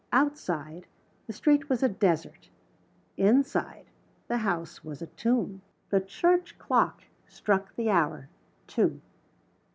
Outside, the street was a desert. Inside, the house was a tomb. The church clock struck the hour. Two.